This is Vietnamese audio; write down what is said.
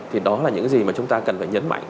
thì đó là những gì mà chúng ta cần phải nhấn mạnh